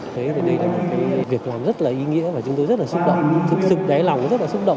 thế này là một việc làm rất là ý nghĩa và chúng tôi rất là xúc động thật sự đáy lòng rất là xúc động